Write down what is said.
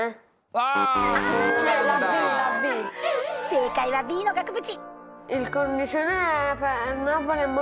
正解はＢの額縁。